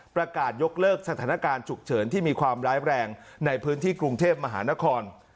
ประกาศยกเลิกสถานการณ์ฉุกเฉินที่มีความร้ายแรงในพื้นที่กรุงเทพมหานคร